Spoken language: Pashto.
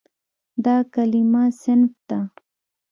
دا کلمه "صنف" ده.